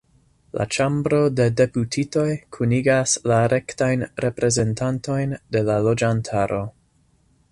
La Ĉambro de Deputitoj kunigas la rektajn reprezentantojn de la loĝantaro.